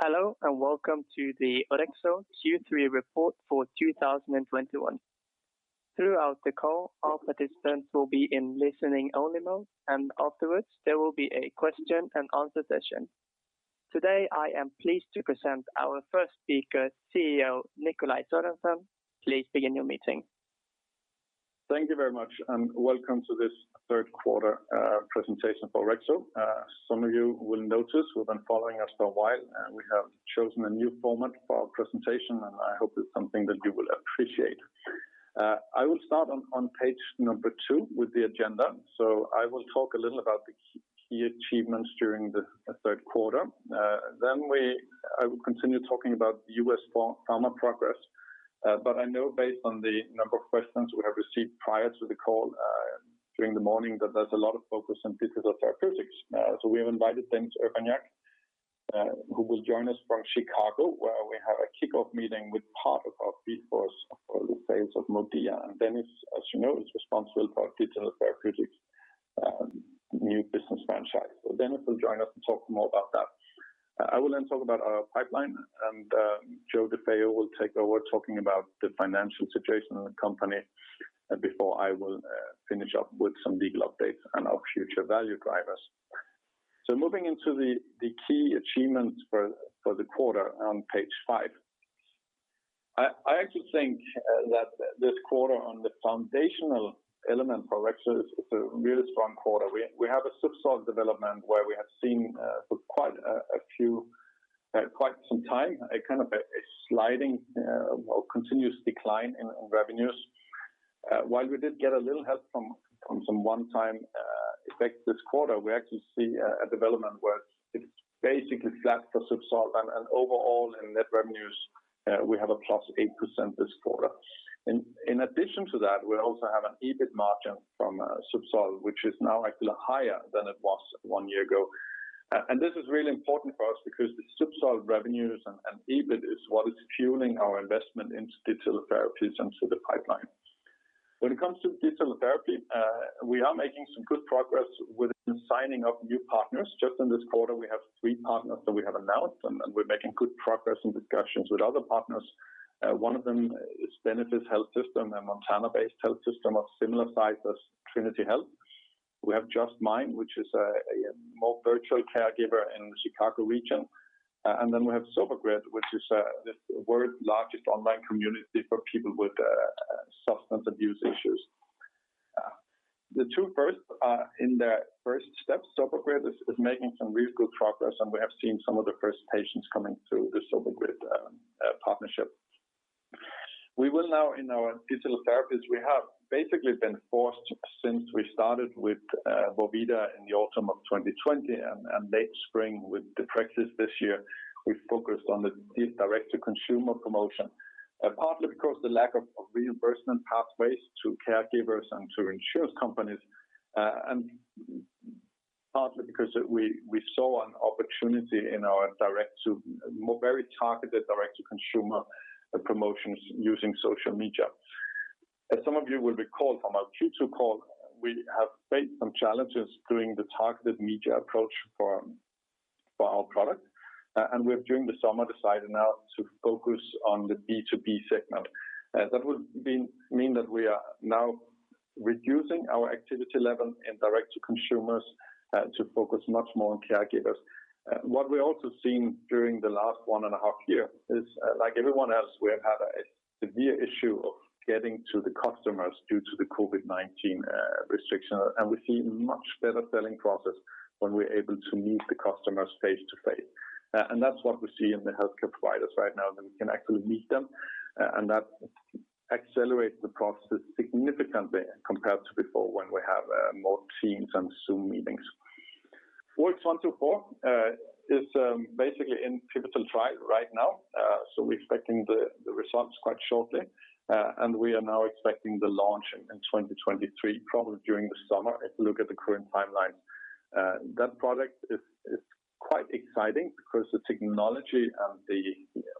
Hello, and welcome to the Orexo Q3 report for 2021. Throughout the call, all participants will be in listening only mode, and afterwards there will be a question and answer session. Today, I am pleased to present our first speaker, CEO Nikolaj Sørensen. Please begin your meeting. Thank you very much, and welcome to this third quarter presentation for Orexo. Some of you will notice who have been following us for a while, we have chosen a new format for our presentation, and I hope it's something that you will appreciate. I will start on page number two with the agenda. I will talk a little about the key achievements during the third quarter. Then I will continue talking about the U.S. pharma progress. But I know based on the number of questions we have received prior to the call, during the morning that there's a lot of focus on digital therapeutics. We have invited Dennis Urbaniak, who will join us from Chicago, where we have a kickoff meeting with part of our workforce for the sales of MODIA. Dennis, as you know, is responsible for our digital therapeutics, new business franchise. Dennis will join us and talk more about that. I will then talk about our pipeline and, Joe DeFeo will take over talking about the financial situation of the company before I will, finish up with some legal updates and our future value drivers. Moving into the key achievements for the quarter on page five. I actually think that this quarter on the foundational element for Orexo is a really strong quarter. We have a Zubsolv development where we have seen, for quite some time, a kind of sliding or continuous decline in revenues. While we did get a little help from some one-time effects this quarter, we actually see a development where it's basically flat for Zubsolv and overall in net revenues, we have +8% this quarter. In addition to that, we also have an EBIT margin from Zubsolv, which is now actually higher than it was one year ago. This is really important for us because the Zubsolv revenues and EBIT is what is fueling our investment into digital therapies and to the pipeline. When it comes to digital therapy, we are making some good progress with the signing of new partners. Just in this quarter, we have three partners that we have announced and we're making good progress in discussions with other partners. One of them is Benefis Health System, a Montana-based health system of similar size as Trinity Health. We have Just Mind, which is a more virtual caregiver in the Chicago region. Then we have Sober Grid, which is the world's largest online community for people with substance abuse issues. The two first in their first steps, Sober Grid is making some really good progress, and we have seen some of the first patients coming through the Sober Grid partnership. We will now in our digital therapies we have basically been forced since we started with MODIA in the autumn of 2020 and late spring with deprexis this year we've focused on the direct to consumer promotion. Partly because the lack of reimbursement pathways to caregivers and to insurance companies, and partly because we saw an opportunity in our very targeted direct to consumer promotions using social media. As some of you will recall from our Q2 call, we have faced some challenges doing the targeted media approach for our product. We've during the summer decided now to focus on the B2B segment. That would mean that we are now reducing our activity level in direct to consumers to focus much more on caregivers. What we're also seeing during the last 1.5 year is, like everyone else, we have had a severe issue of getting to the customers due to the COVID-19 restrictions. We see much better selling process when we're able to meet the customers face-to-face. That's what we see in the healthcare providers right now, that we can actually meet them, and that accelerates the process significantly compared to before when we have more Teams and Zoom meetings. OX124 is basically in pivotal trial right now. We're expecting the results quite shortly. We are now expecting the launch in 2023, probably during the summer if you look at the current timeline. That product is quite exciting because the technology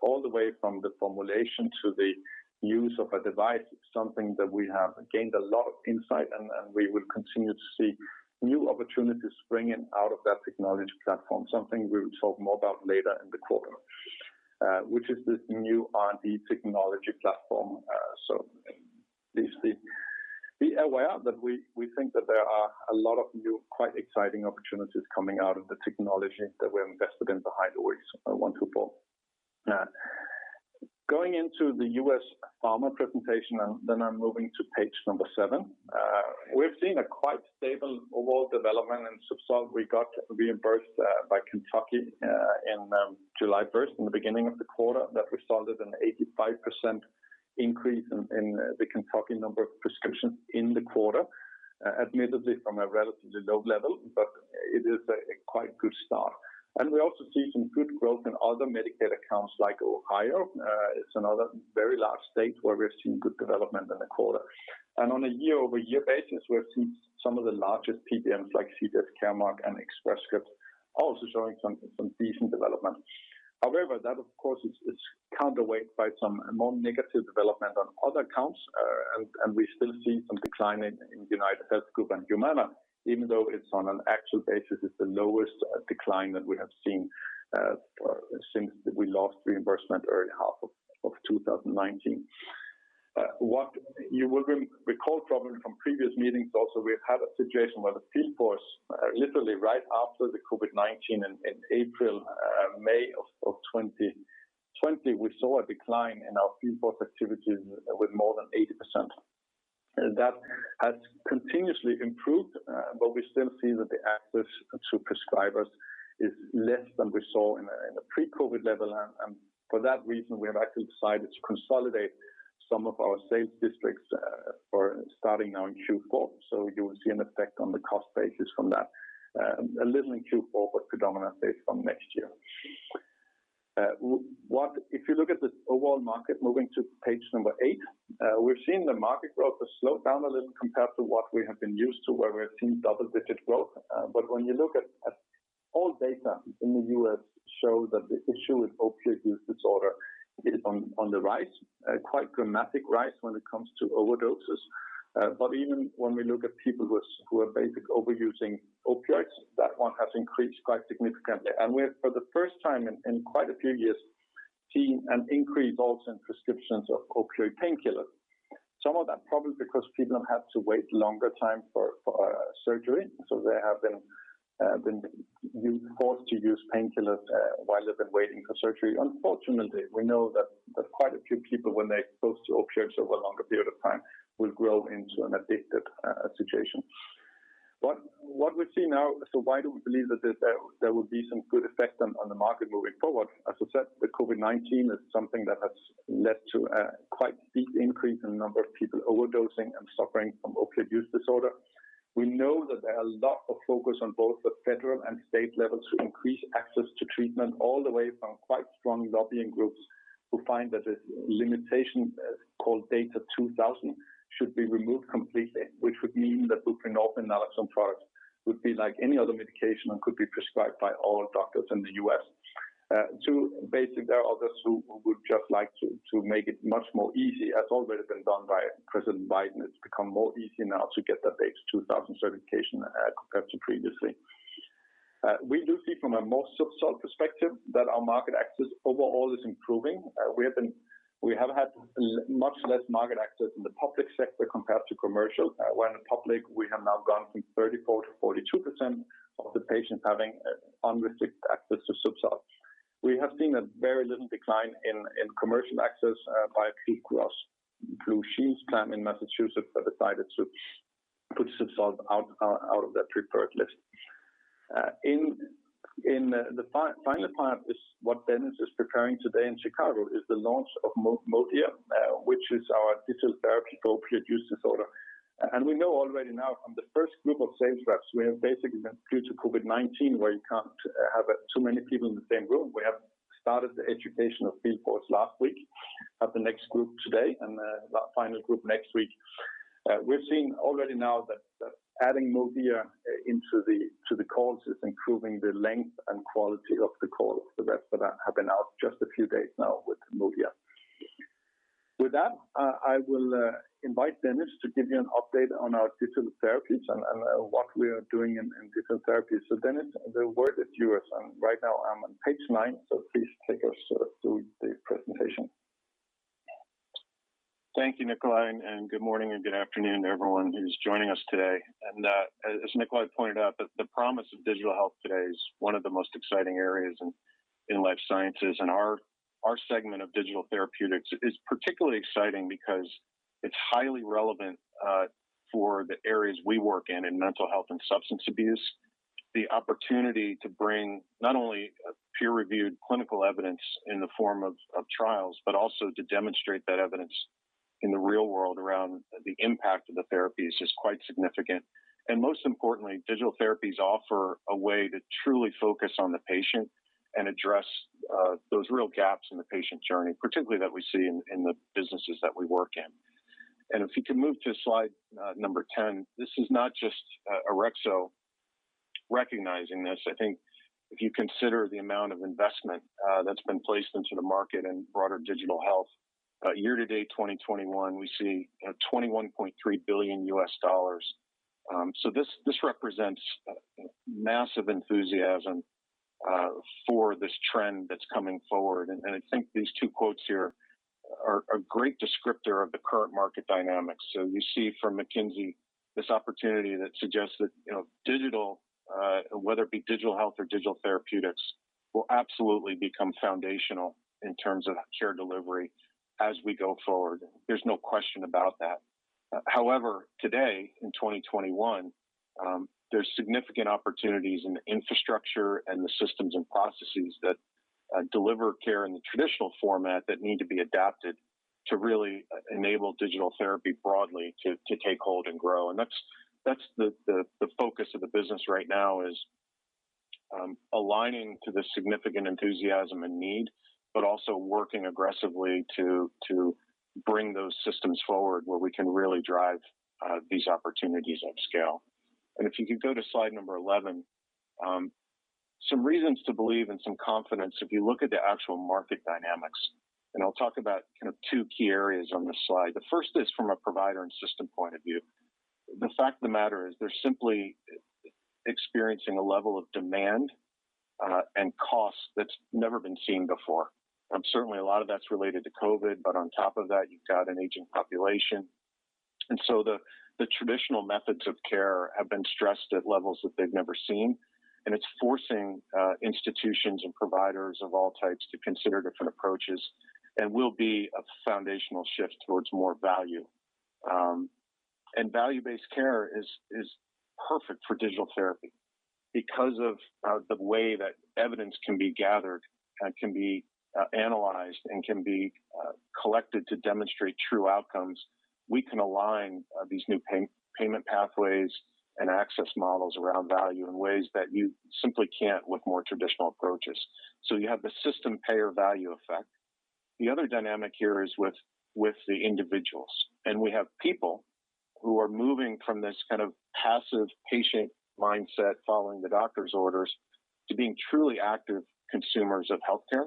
all the way from the formulation to the use of a device is something that we have gained a lot of insight and we will continue to see new opportunities springing out of that technology platform, something we will talk more about later in the quarter, which is this new R&D technology platform. Please be aware that we think that there are a lot of new, quite exciting opportunities coming out of the technology that we're invested in behind OX124. Going into the U.S. pharma presentation, and then I'm moving to page seven. We've seen quite stable overall development in Zubsolv. We got reimbursed by Kentucky in July first, in the beginning of the quarter. That resulted in 85% increase in the Kentucky number of prescriptions in the quarter, admittedly from a relatively low level, but it is a quite good start. We also see some good growth in other Medicaid accounts like Ohio, is another very large state where we've seen good development in the quarter. On a year-over-year basis, we've seen some of the largest PBMs like CVS, Caremark, and Express Scripts also showing some decent development. However, that of course is counterweighted by some more negative development on other accounts. We still see some decline in UnitedHealth Group and Humana, even though it's on an absolute basis, it's the lowest decline that we have seen since we lost reimbursement in the first half of 2019. What you will recall probably from previous meetings also, we've had a situation where the field force literally right after the COVID-19 in April, May of 2020, we saw a decline in our field force activities with more than 80%. That has continuously improved, but we still see that the access to prescribers is less than we saw in the pre-COVID level. For that reason, we have actually decided to consolidate some of our sales districts, for starting now in Q4. You will see an effect on the cost basis from that, a little in Q4, but predominantly from next year. If you look at the overall market, moving to page number eight, we've seen the market growth has slowed down a little compared to what we have been used to where we've seen double-digit growth. But when you look at, all data in the U.S. show that the issue with opioid use disorder is on the rise, a quite dramatic rise when it comes to overdoses. Even when we look at people who are basically overusing opioids, that one has increased quite significantly. We're for the first time in quite a few years seeing an increase also in prescriptions of opioid painkillers. Some of that probably because people have had to wait longer time for surgery, so they have been forced to use painkillers while they've been waiting for surgery. Unfortunately, we know that quite a few people when they're exposed to opioids over a longer period of time will grow into an addicted situation. What we see now. Why do we believe that there will be some good effect on the market moving forward? As I said, the COVID-19 is something that has led to a quite steep increase in the number of people overdosing and suffering from opioid use disorder. We know that there are a lot of focus on both the federal and state levels to increase access to treatment all the way from quite strong lobbying groups who find that this limitation called DATA 2000 should be removed completely, which would mean that buprenorphine and naloxone products would be like any other medication and could be prescribed by all doctors in the U.S. Too, basically there are others who would just like to make it much more easy. That's already been done by President Biden. It's become more easy now to get that DATA 2000 certification compared to previously. We do see from a more Zubsolv perspective that our market access overall is improving. We have had much less market access in the public sector compared to commercial, where in public we have now gone from 34% to 42% of the patients having unrestricted access to Zubsolv. We have seen a very little decline in commercial access by a few Blue Cross Blue Shield of Massachusetts plan that decided to put Zubsolv out of their preferred list. In the final part is what Dennis is preparing today in Chicago is the launch of MODIA, which is our digital therapy for opioid use disorder. We know already now from the first group of sales reps, we have basically been due to COVID-19, where you can't have too many people in the same room. We have started the education of field force last week. Have the next group today and that final group next week. We've seen already now that adding MODIA into the calls is improving the length and quality of the call, the reps that have been out just a few days now with MODIA. With that, I will invite Dennis to give you an update on our digital therapies and what we are doing in digital therapies. Dennis, the word is yours. Right now I'm on page nine, so please take us through the presentation. Thank you, Nikolaj, and good morning or good afternoon to everyone who's joining us today. As Nikolaj pointed out, the promise of digital health today is one of the most exciting areas in life sciences. Our segment of digital therapeutics is particularly exciting because it's highly relevant for the areas we work in, mental health and substance abuse. The opportunity to bring not only peer-reviewed clinical evidence in the form of trials, but also to demonstrate that evidence in the real world around the impact of the therapies is quite significant. Most importantly, digital therapies offer a way to truly focus on the patient and address those real gaps in the patient journey, particularly that we see in the businesses that we work in. If you can move to slide number 10, this is not just Orexo recognizing this. I think if you consider the amount of investment that's been placed into the market in broader digital health year to date 2021, we see $21.3 billion. This represents massive enthusiasm for this trend that's coming forward. I think these two quotes here are a great descriptor of the current market dynamics. You see from McKinsey this opportunity that suggests that, you know, digital whether it be digital health or digital therapeutics, will absolutely become foundational in terms of care delivery as we go forward. There's no question about that. However, today in 2021, there's significant opportunities in the infrastructure and the systems and processes that deliver care in the traditional format that need to be adapted to really enable digital therapy broadly to take hold and grow. That's the focus of the business right now is aligning to the significant enthusiasm and need, but also working aggressively to bring those systems forward where we can really drive these opportunities at scale. If you could go to slide 11, some reasons to believe and some confidence if you look at the actual market dynamics, and I'll talk about kind of two key areas on this slide. The first is from a provider and system point of view. The fact of the matter is we're simply experiencing a level of demand and cost that's never been seen before. Certainly a lot of that's related to COVID, but on top of that, you've got an aging population. The traditional methods of care have been stressed at levels that they've never seen, and it's forcing institutions and providers of all types to consider different approaches and will be a foundational shift towards more value. Value-based care is perfect for digital therapy because of the way that evidence can be gathered, analyzed and collected to demonstrate true outcomes. We can align these new payment pathways and access models around value in ways that you simply can't with more traditional approaches. You have the system payer value effect. The other dynamic here is with the individuals. We have people who are moving from this kind of passive patient mindset following the doctor's orders to being truly active consumers of healthcare.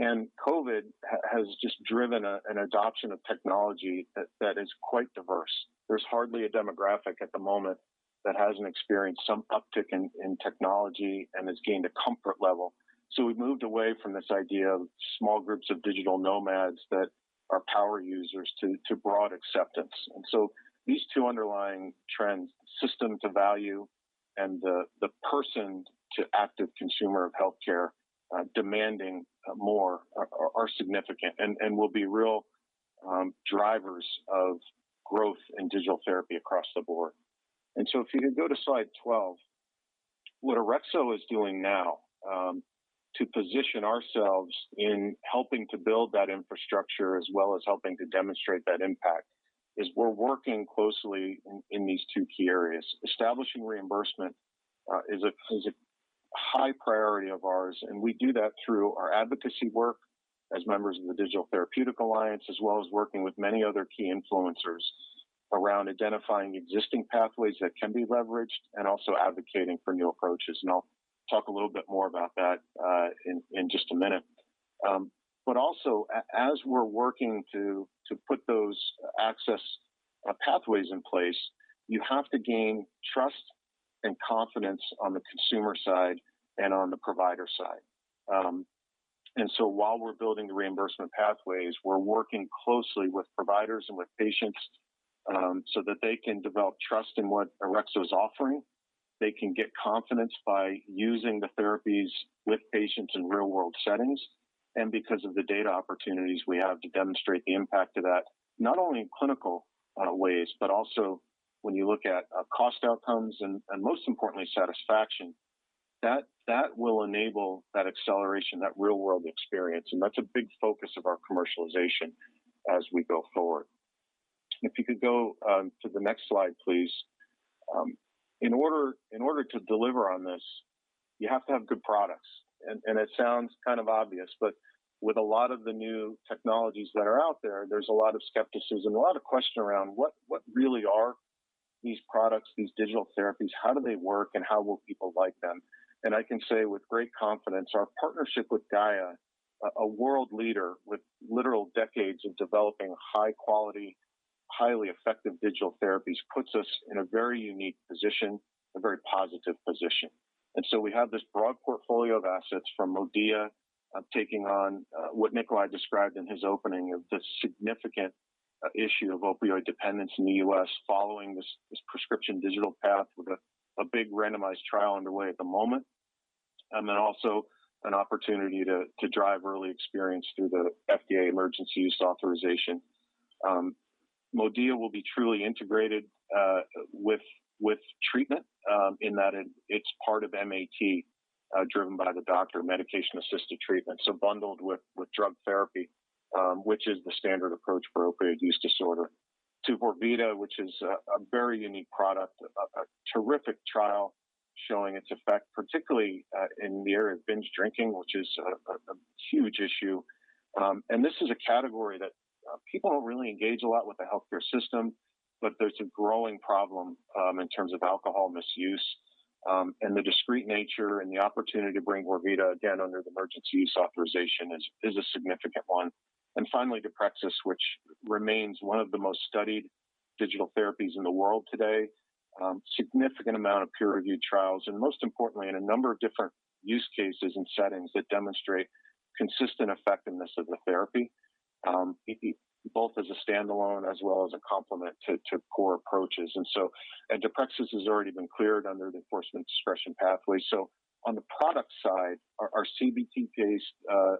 COVID has just driven an adoption of technology that is quite diverse. There's hardly a demographic at the moment that hasn't experienced some uptick in technology and has gained a comfort level. We've moved away from this idea of small groups of digital nomads that are power users to broad acceptance. These two underlying trends, system to value and the person to active consumer of healthcare, demanding more, are significant and will be real drivers of growth in digital therapy across the board. If you could go to slide 12. What Orexo is doing now to position ourselves in helping to build that infrastructure as well as helping to demonstrate that impact is we're working closely in these two key areas. Establishing reimbursement is a high priority of ours, and we do that through our advocacy work as members of the Digital Therapeutics Alliance, as well as working with many other key influencers around identifying existing pathways that can be leveraged and also advocating for new approaches. I'll talk a little bit more about that in just a minute. Also as we're working to put those access pathways in place, you have to gain trust and confidence on the consumer side and on the provider side. While we're building the reimbursement pathways, we're working closely with providers and with patients, so that they can develop trust in what Orexo is offering. They can get confidence by using the therapies with patients in real-world settings. Because of the data opportunities we have to demonstrate the impact of that, not only in clinical ways, but also when you look at cost outcomes and, most importantly, satisfaction, that will enable that acceleration, that real-world experience, and that's a big focus of our commercialization as we go forward. If you could go to the next slide, please. In order to deliver on this, you have to have good products. It sounds kind of obvious, but with a lot of the new technologies that are out there's a lot of skepticism and a lot of question around what really are these products, these digital therapies, how do they work, and how will people like them? I can say with great confidence, our partnership with GAIA, a world leader with literal decades of developing high quality, highly effective digital therapies, puts us in a very unique position, a very positive position. We have this broad portfolio of assets from MODIA, taking on what Nikolaj described in his opening of the significant issue of opioid dependence in the U.S. following this prescription digital path with a big randomized trial underway at the moment, and then also an opportunity to drive early experience through the FDA Emergency Use Authorization. MODIA will be truly integrated with treatment in that it's part of MAT driven by the doctor, medication-assisted treatment, so bundled with drug therapy, which is the standard approach for opioid use disorder. To vorvida, which is a very unique product, a terrific trial showing its effect, particularly in the area of binge drinking, which is a huge issue. This is a category that people don't really engage a lot with the healthcare system, but there's a growing problem in terms of alcohol misuse. The discreet nature and the opportunity to bring vorvida again under the emergency use authorization is a significant one. Finally, deprexis, which remains one of the most studied digital therapies in the world today. Significant amount of peer-reviewed trials, and most importantly, in a number of different use cases and settings that demonstrate consistent effectiveness of the therapy, both as a standalone as well as a complement to core approaches. deprexis has already been cleared under the enforcement discretion pathway. On the product side, our CBT-based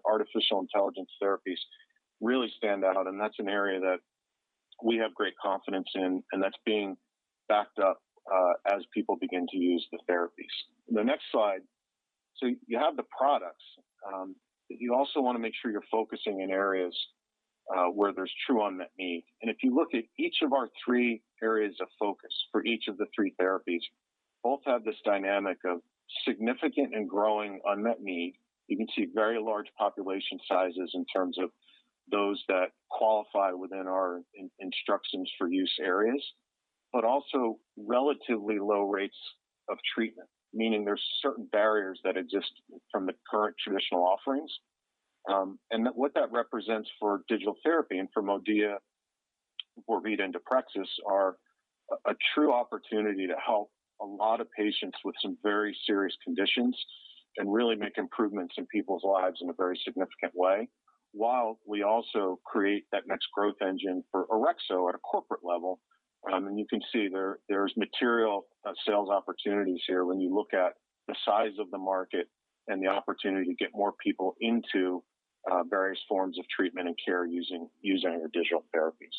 artificial intelligence therapies really stand out, and that's an area that we have great confidence in, and that's being backed up as people begin to use the therapies. The next slide. You have the products, but you also wanna make sure you're focusing in areas where there's true unmet need. If you look at each of our three areas of focus for each of the three therapies, both have this dynamic of significant and growing unmet need. You can see very large population sizes in terms of those that qualify within our instructions for use areas, but also relatively low rates of treatment, meaning there's certain barriers that exist from the current traditional offerings. What that represents for digital therapy and for MODIA, vorvida, and deprexis are a true opportunity to help a lot of patients with some very serious conditions and really make improvements in people's lives in a very significant way while we also create that next growth engine for Orexo at a corporate level. You can see there's material sales opportunities here when you look at the size of the market and the opportunity to get more people into various forms of treatment and care using our digital therapies.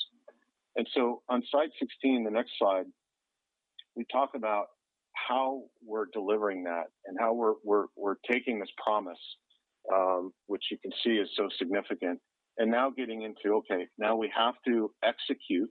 On slide 16, the next slide, we talk about how we're delivering that and how we're taking this promise, which you can see is so significant and now getting into, okay, now we have to execute.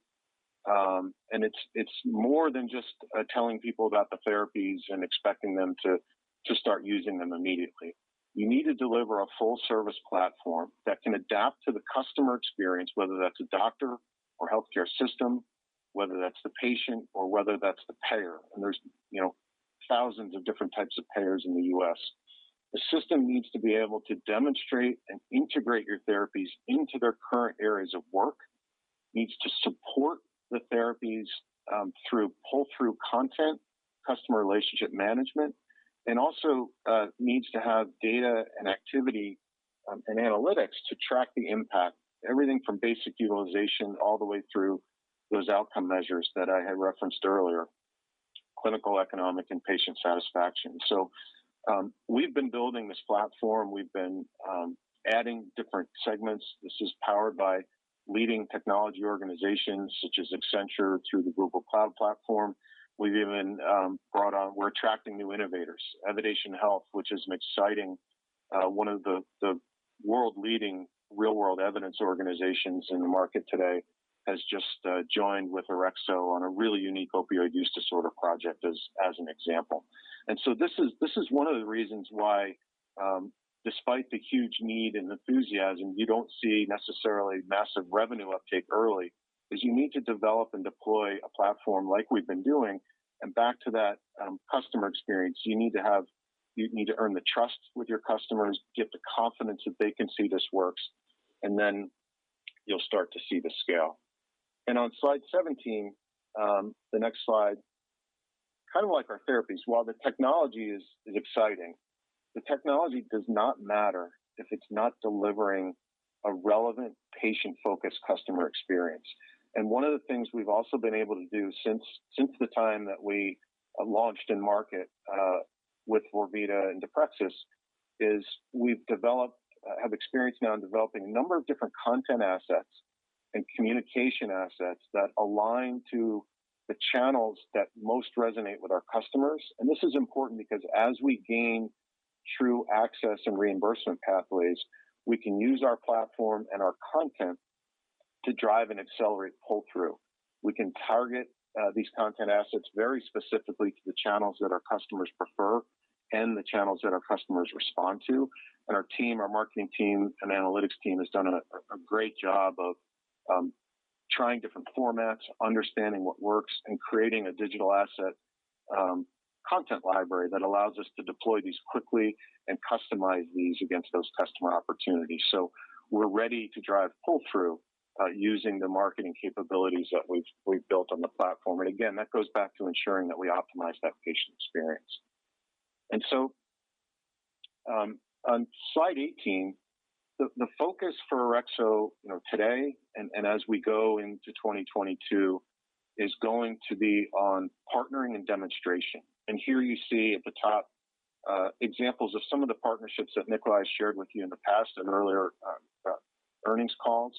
It's more than just telling people about the therapies and expecting them to start using them immediately. You need to deliver a full service platform that can adapt to the customer experience, whether that's a doctor or healthcare system, whether that's the patient or whether that's the payer. There's, you know, thousands of different types of payers in the U.S. The system needs to be able to demonstrate and integrate your therapies into their current areas of work, needs to support the therapies through pull-through content, customer relationship management, and also needs to have data and activity and analytics to track the impact, everything from basic utilization all the way through those outcome measures that I had referenced earlier, clinical, economic, and patient satisfaction. We've been building this platform. We've been adding different segments. This is powered by leading technology organizations such as Accenture through the Google Cloud platform. We're attracting new innovators. Evidation Health, which is an exciting one of the world-leading real-world evidence organizations in the market today, has just joined with Orexo on a really unique opioid use disorder project as an example. This is one of the reasons why, despite the huge need and enthusiasm, you don't see necessarily massive revenue uptake early, is you need to develop and deploy a platform like we've been doing. Back to that, customer experience, you need to earn the trust with your customers, get the confidence that they can see this works, and then you'll start to see the scale. On slide 17, the next slide, kind of like our therapies, while the technology is exciting, the technology does not matter if it's not delivering a relevant patient-focused customer experience. One of the things we've also been able to do since the time that we launched in market with vorvida and deprexis is we have experience now in developing a number of different content assets and communication assets that align to the channels that most resonate with our customers. This is important because as we gain true access and reimbursement pathways, we can use our platform and our content to drive and accelerate pull-through. We can target these content assets very specifically to the channels that our customers prefer and the channels that our customers respond to. Our team, our marketing team and analytics team has done a great job of trying different formats, understanding what works, and creating a digital asset content library that allows us to deploy these quickly and customize these against those customer opportunities. We're ready to drive pull-through using the marketing capabilities that we've built on the platform. Again, that goes back to ensuring that we optimize that patient experience. On slide 18, the focus for Orexo today and as we go into 2022 is going to be on partnering and demonstration. Here you see at the top examples of some of the partnerships that Nicolaj shared with you in the past in earlier earnings calls.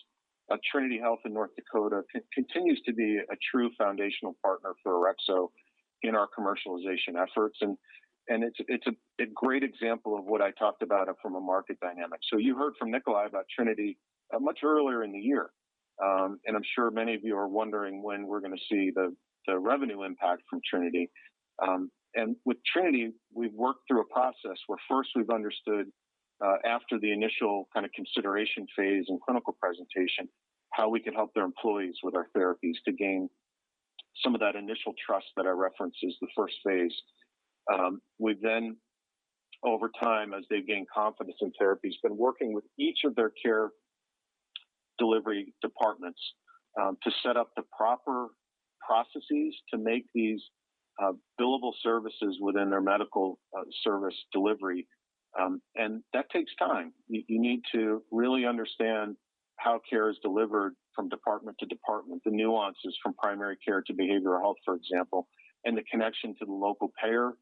Trinity Health in North Dakota continues to be a true foundational partner for Orexo in our commercialization efforts. It's a great example of what I talked about from a market dynamic. You heard from Nicolaj about Trinity much earlier in the year. I'm sure many of you are wondering when we're gonna see the revenue impact from Trinity. With Trinity, we've worked through a process where first we've understood, after the initial kind of consideration phase and clinical presentation, how we could help their employees with our therapies to gain some of that initial trust that I referenced is the first phase. We've then over time, as they've gained confidence in therapies, been working with each of their care delivery departments, to set up the proper processes to make these billable services within their medical service delivery. That takes time. You need to really understand how care is delivered from department to department, the nuances from primary care to behavioral health, for example, and the connection to the local payer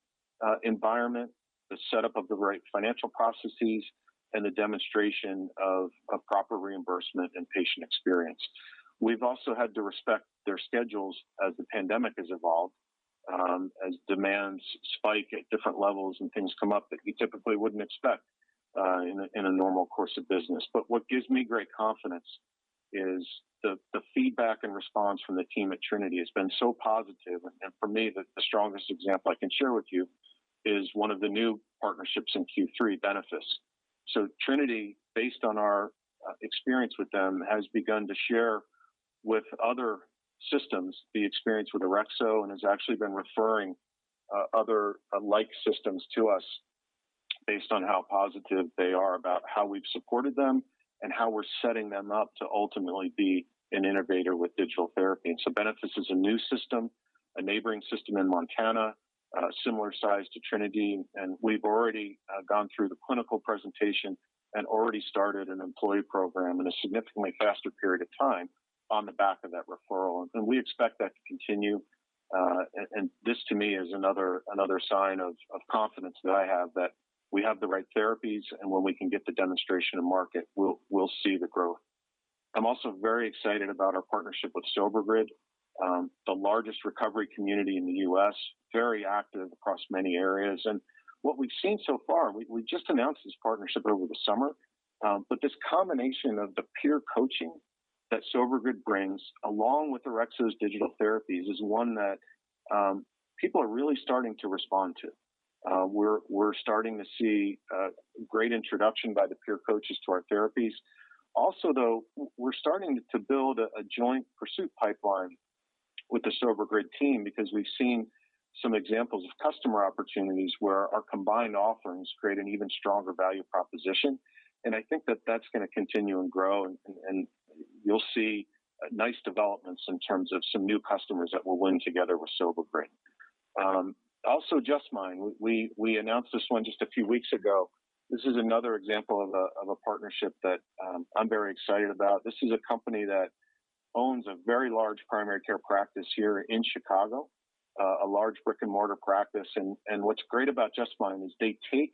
environment, the setup of the right financial processes, and the demonstration of proper reimbursement and patient experience. We've also had to respect their schedules as the pandemic has evolved, as demands spike at different levels and things come up that you typically wouldn't expect, in a normal course of business. But what gives me great confidence is the feedback and response from the team at Trinity has been so positive. For me, the strongest example I can share with you is one of the new partnerships in Q3, Benefis. Trinity, based on our experience with them, has begun to share with other systems the experience with Orexo and has actually been referring other like systems to us based on how positive they are about how we've supported them and how we're setting them up to ultimately be an innovator with digital therapy. Benefis is a new system, a neighboring system in Montana, similar size to Trinity, and we've already gone through the clinical presentation and already started an employee program in a significantly faster period of time on the back of that referral. We expect that to continue. This to me is another sign of confidence that I have that we have the right therapies, and when we can get the demonstration to market, we'll see the growth. I'm also very excited about our partnership with Sober Grid, the largest recovery community in the U.S., very active across many areas. What we've seen so far, we just announced this partnership over the summer, but this combination of the peer coaching that Sober Grid brings along with Orexo's digital therapies is one that people are really starting to respond to. We're starting to see great introduction by the peer coaches to our therapies. Also though, we're starting to build a joint pursuit pipeline with the Sober Grid team because we've seen some examples of customer opportunities where our combined offerings create an even stronger value proposition. I think that that's gonna continue and grow and you'll see nice developments in terms of some new customers that we're winning together with Sober Grid. Also Just Mind. We announced this one just a few weeks ago. This is another example of a partnership that I'm very excited about. This is a company that owns a very large primary care practice here in Chicago, a large brick-and-mortar practice. What's great about Just Mind is they take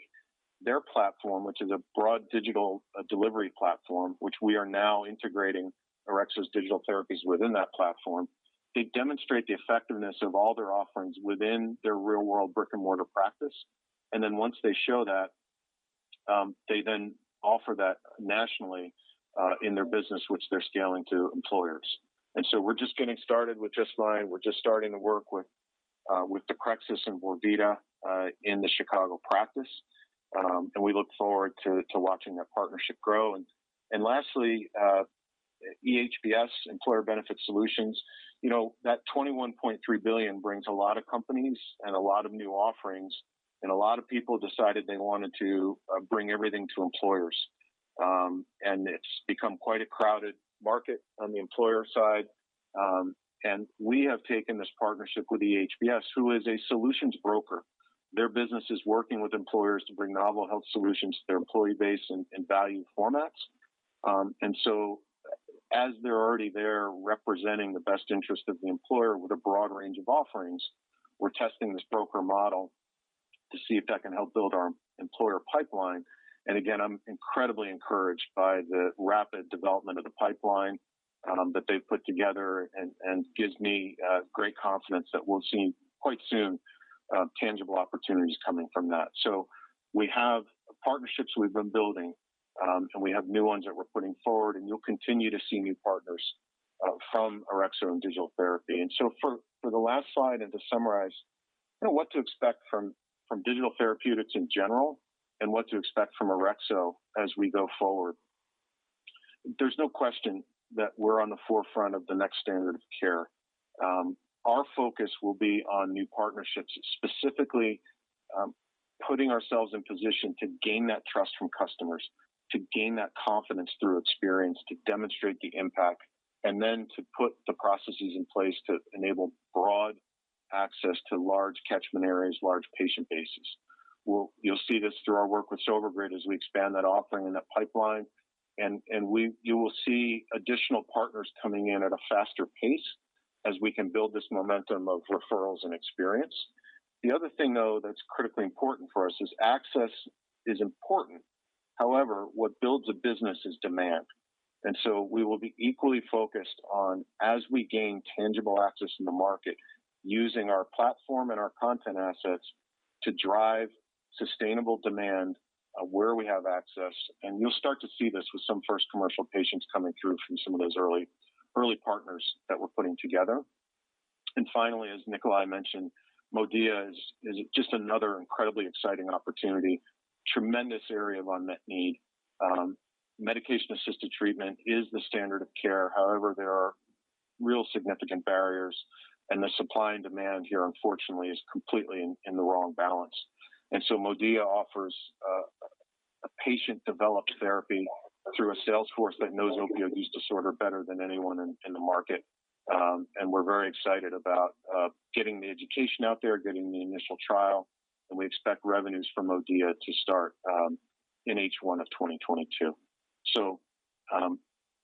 their platform, which is a broad digital delivery platform, which we are now integrating Orexo's digital therapies within that platform. They demonstrate the effectiveness of all their offerings within their real-world brick-and-mortar practice. Then once they show that, they then offer that nationally, in their business which they're scaling to employers. We're just getting started with Just Mind. We're just starting the work with deprexis and vorvida, in the Chicago practice. We look forward to watching that partnership grow. Lastly, EBS, Employer Benefis Solutions. You know, that $21.3 billion brings a lot of companies and a lot of new offerings, and a lot of people decided they wanted to bring everything to employers. It's become quite a crowded market on the employer side. We have taken this partnership with EBS, who is a solutions broker. Their business is working with employers to bring novel health solutions to their employee base in value formats. As they're already there representing the best interest of the employer with a broad range of offerings, we're testing this broker model to see if that can help build our employer pipeline. Again, I'm incredibly encouraged by the rapid development of the pipeline that they've put together and gives me great confidence that we'll see quite soon tangible opportunities coming from that. We have partnerships we've been building and we have new ones that we're putting forward, and you'll continue to see new partners from Orexo and digital therapy. For the last slide and to summarize, you know, what to expect from digital therapeutics in general and what to expect from Orexo as we go forward. There's no question that we're on the forefront of the next standard of care. Our focus will be on new partnerships, specifically putting ourselves in position to gain that trust from customers, to gain that confidence through experience, to demonstrate the impact, and then to put the processes in place to enable broad access to large catchment areas, large patient bases. You'll see this through our work with Sober Grid as we expand that offering and that pipeline. You will see additional partners coming in at a faster pace as we can build this momentum of referrals and experience. The other thing though that's critically important for us is access is important. However, what builds a business is demand. We will be equally focused on as we gain tangible access in the market using our platform and our content assets to drive sustainable demand where we have access. You'll start to see this with some first commercial patients coming through from some of those early partners that we're putting together. Finally, as Nikolaj mentioned, MODIA is just another incredibly exciting opportunity, tremendous area of unmet need. Medication-assisted treatment is the standard of care. However, there are real significant barriers, and the supply and demand here unfortunately is completely in the wrong balance. MODIA offers a patient-developed therapy through a sales force that knows opioid use disorder better than anyone in the market. We're very excited about getting the education out there, getting the initial trial, and we expect revenues from MODIA to start in H1 of 2022.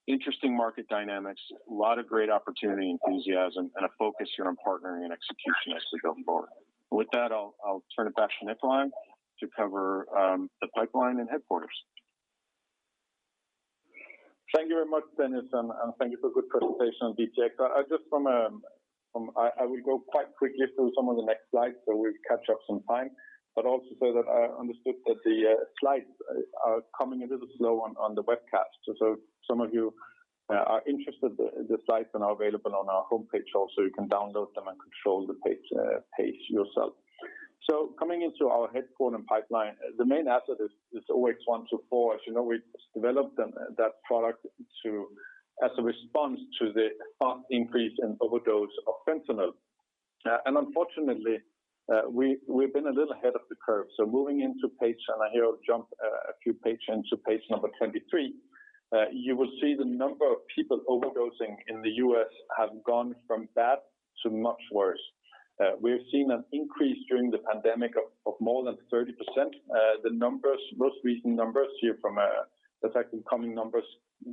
Interesting market dynamics, a lot of great opportunity, enthusiasm, and a focus here on partnering and execution as we go forward. With that, I'll turn it back to Nikolaj to cover the pipeline and headquarters. Thank you very much, Dennis, and thank you for good presentation, BJ. I will go quite quickly through some of the next slides, so we'll catch up some time. I understand that the slides are coming a little slow on the webcast. If some of you are interested, the slides are now available on our homepage also. You can download them and control the pace yourself. Coming into our headquarters pipeline, the main asset is OX124. As you know, we developed them, that product as a response to the fast increase in overdose of fentanyl. Unfortunately, we've been a little ahead of the curve. Moving on to page, and here I'll jump a few pages to page number 23, you will see the number of people overdosing in the U.S. have gone from bad to much worse. We've seen an increase during the pandemic of more than 30%. The most recent numbers here from, in fact the coming numbers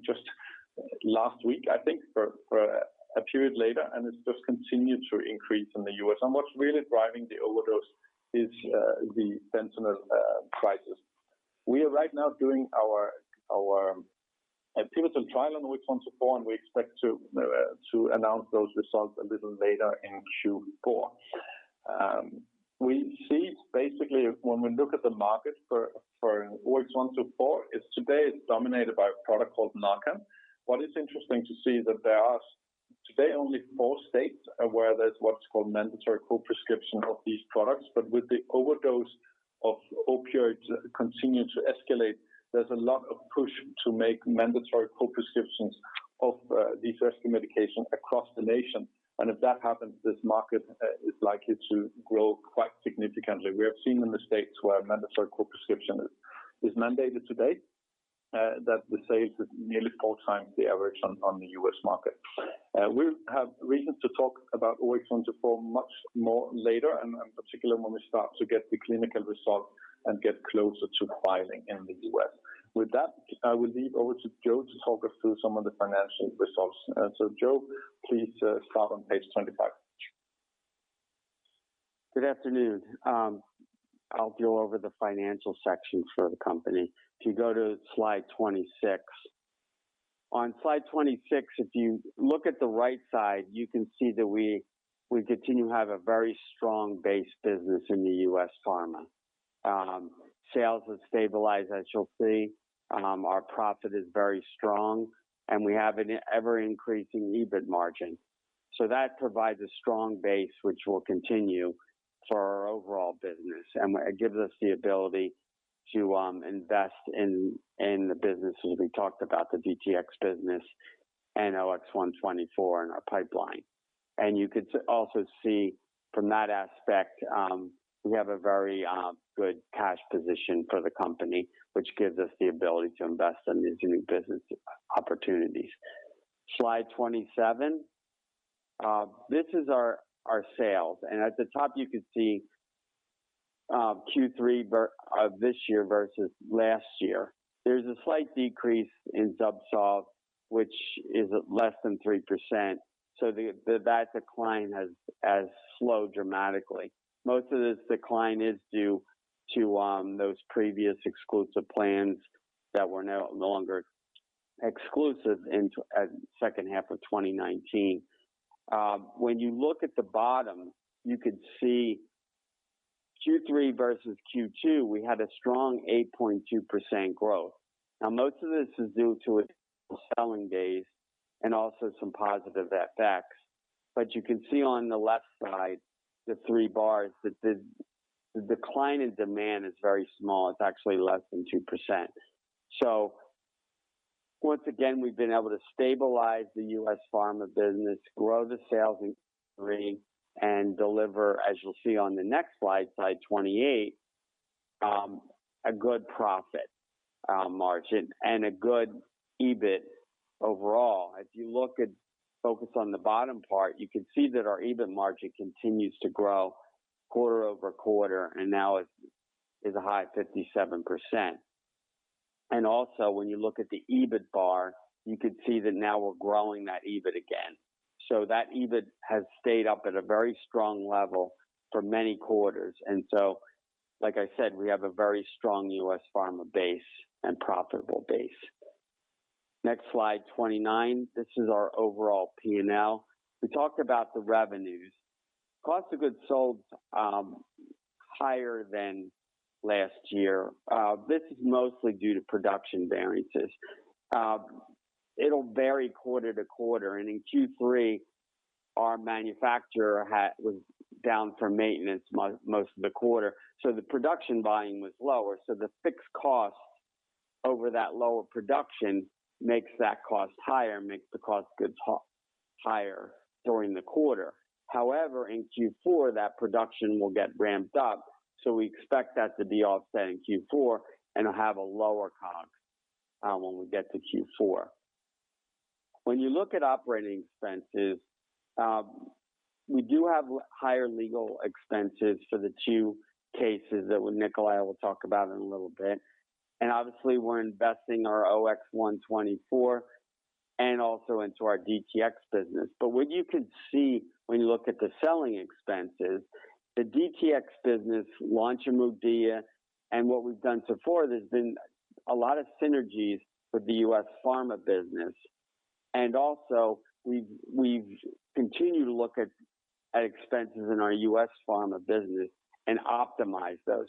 just last week, I think for a period later, and it's just continued to increase in the U.S. What's really driving the overdose is the fentanyl crisis. We are right now doing our pivotal trial on OX124, and we expect to announce those results a little later in Q4. We see basically when we look at the market for OX124, it's today dominated by a product called NARCAN. What is interesting to see that there are today only four states where there's what's called mandatory co-prescription of these products. With the overdose of opioids continuing to escalate, there's a lot of push to make mandatory co-prescriptions of these rescue medications across the nation. If that happens, this market is likely to grow quite significantly. We have seen in the states where mandatory co-prescription is mandated today that the sales is nearly 4x the average on the U.S. market. We have reasons to talk about OX124 much more later and particularly when we start to get the clinical results and get closer to filing in the U.S. With that, I will hand over to Joe to talk us through some of the financial results. Joe, please, start on page 25. Good afternoon. I'll go over the financial section for the company. If you go to slide 26. On slide 26, if you look at the right side, you can see that we continue to have a very strong base business in the U.S. pharma. Sales have stabilized, as you'll see. Our profit is very strong, and we have an ever-increasing EBIT margin. That provides a strong base which will continue for our overall business, and it gives us the ability to invest in the businesses. We talked about the DTx business and OX124 in our pipeline. You could also see from that aspect, we have a very good cash position for the company, which gives us the ability to invest in these new business opportunities. Slide 27. This is our sales. At the top you can see Q3 this year versus last year. There's a slight decrease in Zubsolv, which is at less than 3%. That decline has slowed dramatically. Most of this decline is due to those previous exclusive plans that were no longer exclusive in second half of 2019. When you look at the bottom, you could see Q3 versus Q2, we had a strong 8.2% growth. Now most of this is due to additional selling days and also some positive FX. You can see on the left side, the three bars, the decline in demand is very small. It's actually less than 2%. Once again, we've been able to stabilize the U.S. pharma business, grow the sales in Q3, and deliver, as you'll see on the next slide 28, a good profit margin and a good EBIT overall. Focus on the bottom part, you can see that our EBIT margin continues to grow quarter-over-quarter, and now it is a high 57%. Also when you look at the EBIT bar, you could see that now we're growing that EBIT again. That EBIT has stayed up at a very strong level for many quarters. Like I said, we have a very strong U.S. pharma base and profitable base. Next slide, 29. This is our overall P&L. We talked about the revenues. Cost of goods sold higher than last year. This is mostly due to production variances. It'll vary quarter to quarter. In Q3, our manufacturer was down for maintenance most of the quarter. The production buying was lower. The fixed cost over that lower production makes that cost higher, makes the cost of goods higher during the quarter. However, in Q4, that production will get ramped up, so we expect that to be offsetting in Q4 and have a lower COGS when we get to Q4. When you look at operating expenses, we do have higher legal expenses for the two cases that Nikolaj will talk about in a little bit. Obviously we're investing in our OX124 and also into our DTx business. What you can see when you look at the selling expenses, the DTx business launch of MODIA and what we've done so far, there's been a lot of synergies with the U.S. pharma business. We've continued to look at expenses in our US pharma business and optimize those.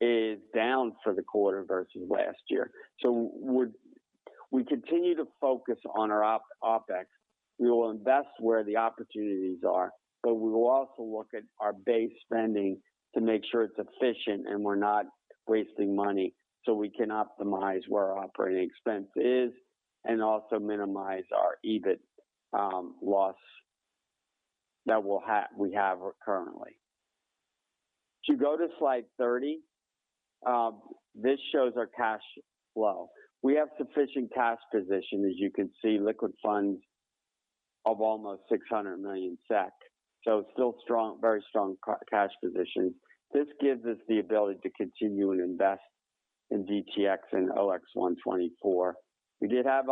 You can actually see selling expenses down for the quarter versus last year. We continue to focus on our OpEx. We will invest where the opportunities are, but we will also look at our base spending to make sure it's efficient and we're not wasting money, so we can optimize where our operating expense is and also minimize our EBIT loss that we have currently. If you go to slide 30, this shows our cash flow. We have sufficient cash position. As you can see, liquid funds of almost 600 million SEK. Still strong, very strong cash position. This gives us the ability to continue and invest in DTx and OX124. We did have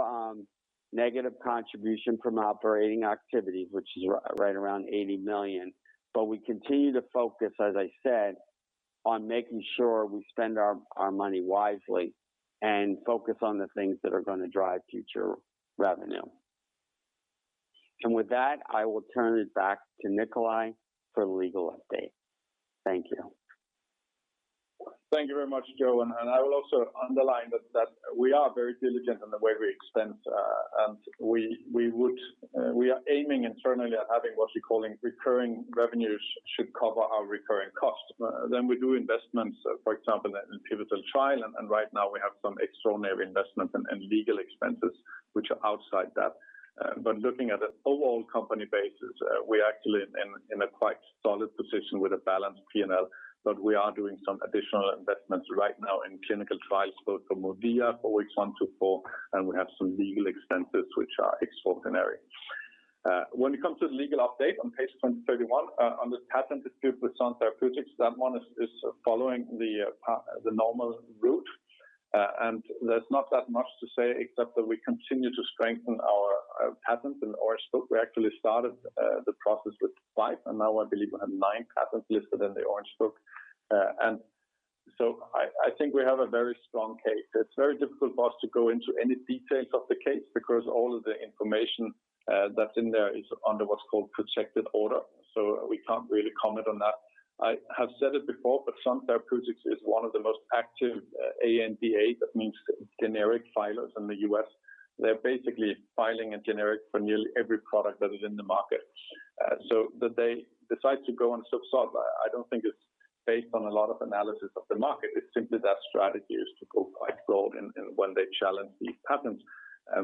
negative contribution from operating activities, which is right around 80 million. We continue to focus, as I said, on making sure we spend our money wisely and focus on the things that are gonna drive future revenue. With that, I will turn it back to Nikolaj for the legal update. Thank you. Thank you very much, Joe. I will also underline that we are very diligent in the way we expense. We are aiming internally at having what you're calling recurring revenues should cover our recurring costs. We do investments, for example, in pivotal trial. Right now we have some extraordinary investments and legal expenses which are outside that. Looking at an overall company basis, we are actually in a quite solid position with a balanced P&L. We are doing some additional investments right now in clinical trials both for MODIA, OX124, and we have some legal expenses which are extraordinary. When it comes to the legal update on page 31, on this patent dispute with Sun Pharmaceutical, that one is following the normal route. There's not that much to say except that we continue to strengthen our patent in the Orange Book. We actually started the process with five, and now I believe we have nine patents listed in the Orange Book. I think we have a very strong case. It's very difficult for us to go into any details of the case because all of the information that's in there is under what's called protective order. We can't really comment on that. I have said it before, but Sun Pharmaceutical is one of the most active ANDA, that means generic filers in the U.S. They're basically filing a generic for nearly every product that is in the market. So that they decide to go on Zubsolv, I don't think it's based on a lot of analysis of the market. It's simply their strategy is to go quite broad in when they challenge these patents.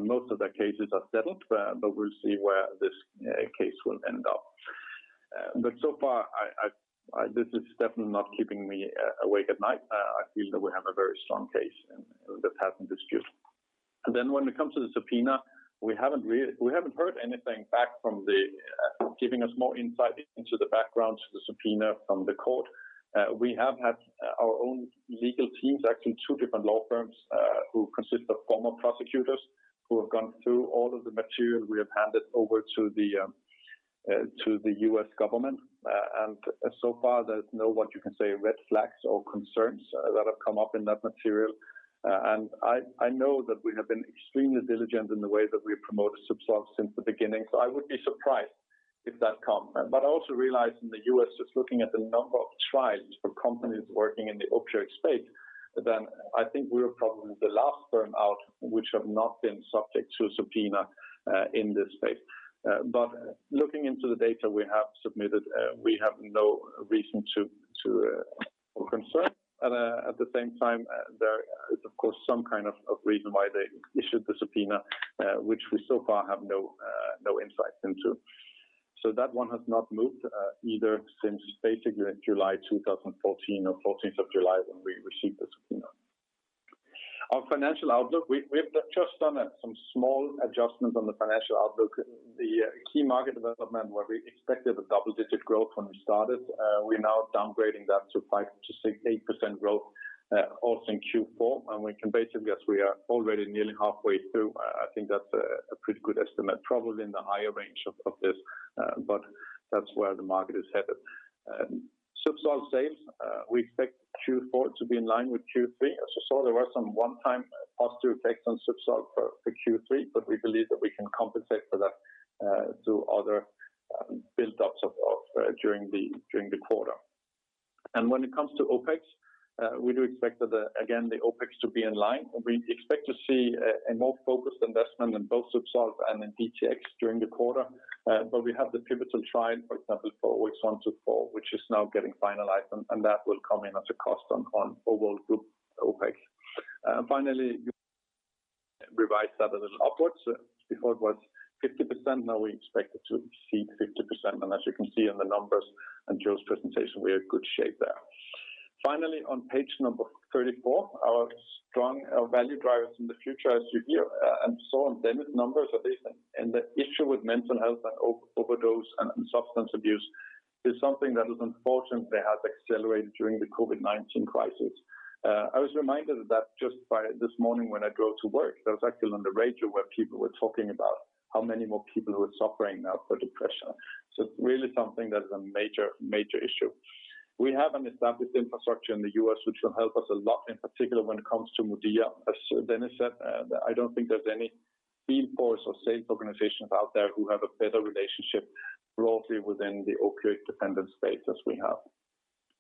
Most of their cases are settled, but we'll see where this case will end up. So far this is definitely not keeping me awake at night. I feel that we have a very strong case in this patent dispute. When it comes to the subpoena, we haven't heard anything back from the giving us more insight into the background to the subpoena from the court. We have had our own legal teams, actually two different law firms, who consist of former prosecutors who have gone through all of the material we have handed over to the U.S. government. So far there's no what you can say, red flags or concerns that have come up in that material. I know that we have been extremely diligent in the way that we promote Zubsolv since the beginning. I would be surprised if that come. I also realize in the U.S., just looking at the number of trials for companies working in the opioid space, then I think we're probably the last firm out which have not been subject to subpoena in this space. Looking into the data we have submitted, we have no reason to or concern. At the same time, there is of course some kind of reason why they issued the subpoena, which we so far have no insight into. That one has not moved either since basically July 2014 or 14th of July when we received the subpoena. Our financial outlook, we've just done some small adjustments on the financial outlook. The key market development where we expected a double-digit growth when we started, we're now downgrading that to 5%-8% growth, also in Q4. We can basically as we are already nearly halfway through, I think that's a pretty good estimate, probably in the higher range of this, but that's where the market is headed. Zubsolv sales, we expect Q4 to be in line with Q3. As you saw, there were some one-time positive effects on Zubsolv for Q3, but we believe that we can compensate for that through other build-ups during the quarter. When it comes to OpEx, we do expect that, again, the OpEx to be in line. We expect to see a more focused investment in both Zubsolv and in DTx during the quarter. But we have the pivotal trial, for example, for OX124, which is now getting finalized and that will come in as a cost on overall group OpEx. Finally, revise that a little upwards. Before it was 50%, now we expect it to exceed 50%. As you can see in the numbers and Joe's presentation, we are in good shape there. Finally, on page 34, our strong value drivers in the future as you hear and saw on Dennis numbers are this. The issue with mental health and overdose and substance abuse is something that unfortunately has accelerated during the COVID-19 crisis. I was reminded of that just this morning when I drove to work. That was actually on the radio where people were talking about how many more people who are suffering now from depression. It's really something that is a major issue. We have an established infrastructure in the U.S. which will help us a lot, in particular when it comes to MODIA. As Dennis said, I don't think there's any field force or sales organizations out there who have a better relationship broadly within the opioid-dependent space as we have.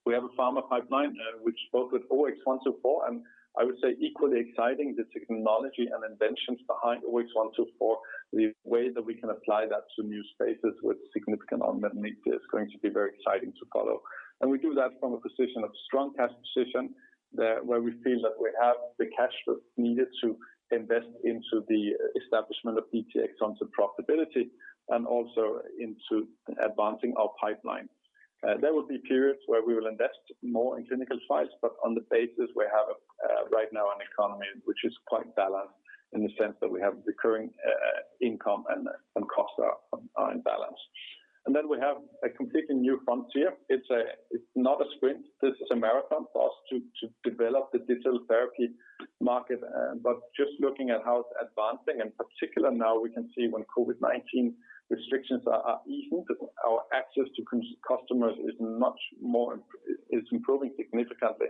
We have a pharma pipeline, which includes OX124, and I would say equally exciting, the technology and inventions behind OX124, the way that we can apply that to new spaces with significant unmet need is going to be very exciting to follow. We do that from a position of strong cash position, where we feel that we have the cash that's needed to invest into the establishment of DTx onto profitability and also into advancing our pipeline. There will be periods where we will invest more in clinical trials, but on the basis we have, right now an economy which is quite balanced in the sense that we have recurring income and costs are in balance. We have a completely new frontier. It's not a sprint, this is a marathon for us to develop the digital therapy market. Just looking at how it's advancing, and particularly now we can see when COVID-19 restrictions are easing, our access to customers is improving significantly.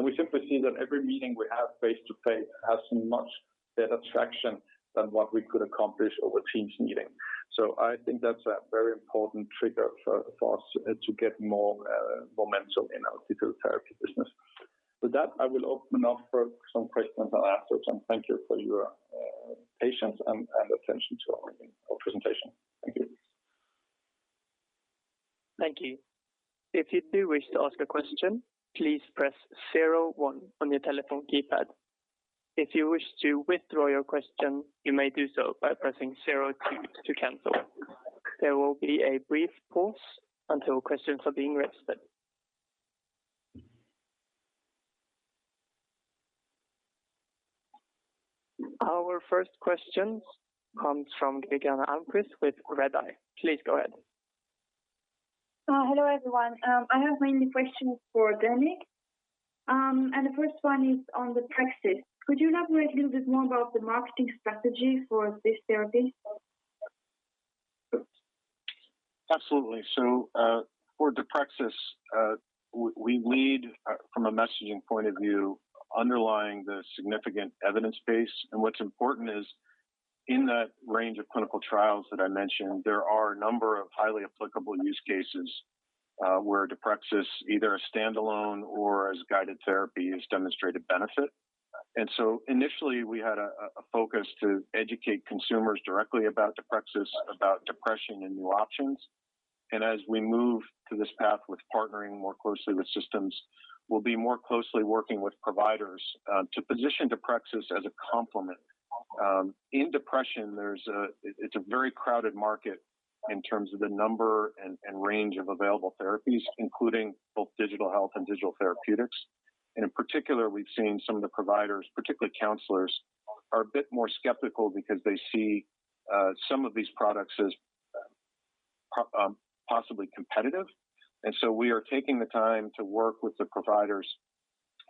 We simply see that every meeting we have face-to-face has much better traction than what we could accomplish over Teams meeting. I think that's a very important trigger for us to get more momentum in our digital therapy business. With that, I will open up for some questions and answers. Thank you for your patience and attention to our presentation. Thank you. Thank you. If you do wish to ask a question, please press zero-one on your telephone keypad. If you wish to withdraw your question, you may do so by pressing zero-two to cancel. There will be a brief pause until questions are being registered. Our first question comes from Gergana Almquist with Redeye. Please go ahead. Hello, everyone. I have mainly questions for Dennis. The first one is on deprexis. Could you elaborate a little bit more about the marketing strategy for this therapy? Absolutely. For deprexis, we lead from a messaging point of view underlying the significant evidence base. What's important is in that range of clinical trials that I mentioned, there are a number of highly applicable use cases, where deprexis either a standalone or as guided therapy has demonstrated benefit. Initially, we had a focus to educate consumers directly about deprexis, about depression and new options. As we move to this path with partnering more closely with systems, we'll be more closely working with providers, to position deprexis as a complement. In depression, it's a very crowded market in terms of the number and range of available therapies, including both digital health and digital therapeutics. In particular, we've seen some of the providers, particularly counselors, are a bit more skeptical because they see some of these products as possibly competitive. We are taking the time to work with the providers